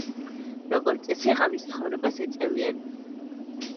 როგორც წესი ღამის ცხოვრებას ეწევიან.